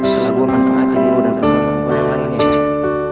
setelah gue manfaatin dulu dan teman teman gue yang lagi nyesel